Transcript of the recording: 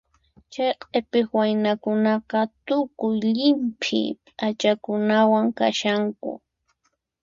Chay q'ipiq waynakunaqa tukuy llimp'i p'achakunawan kashanku.